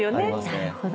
なるほど。